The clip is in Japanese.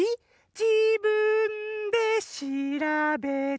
「じぶんでしらべて」